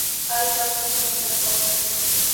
Hay dos museos en el pueblo.